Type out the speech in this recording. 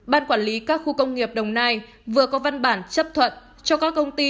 ban quản lý các khu công nghiệp đồng nai vừa có văn bản chấp thuận cho các công ty